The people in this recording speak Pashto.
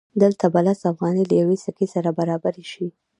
دلته به لس افغانۍ له یوې سکې سره برابرې شي